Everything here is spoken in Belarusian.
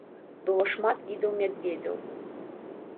Было шмат відаў мядзведзяў.